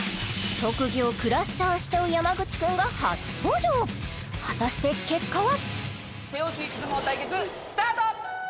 特技をクラッシャーしちゃう山口くんが初登場果たして結果は？